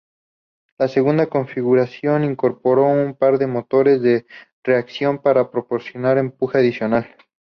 La segunda configuración incorporó un par de motores de reacción para proporcionar empuje adicional.